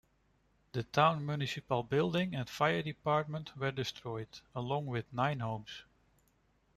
The town municipal building and fire department were destroyed, along with nine homes.